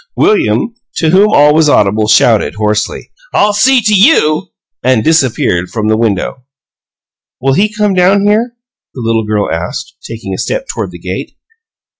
William, to whom all was audible, shouted, hoarsely, "I'll see to YOU!" and disappeared from the window. "Will he come down here?" the little girl asked, taking a step toward the gate.